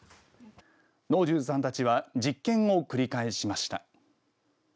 能重さんたちは実験を繰り返しました。